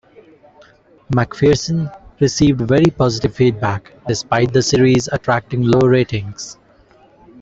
MacPherson received very positive feedback, despite the series attracting low ratings.